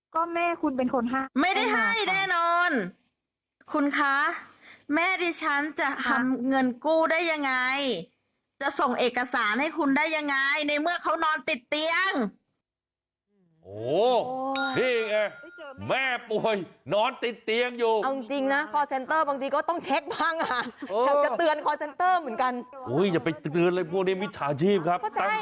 ก็แม่คุณเป็นคนให้แม่ค่ะ